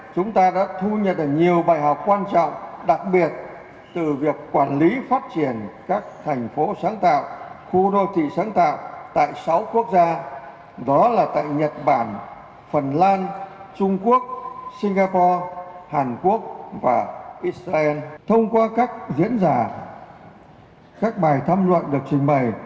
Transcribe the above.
các bài tham luận được trình bày